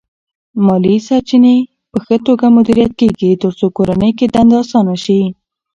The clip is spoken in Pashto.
مالی سرچینې په ښه توګه مدیریت کېږي ترڅو کورنۍ کې دنده اسانه شي.